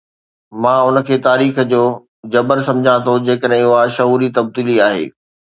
مان ان کي تاريخ جو جبر سمجهان ٿو جيڪڏهن اها شعوري تبديلي آهي.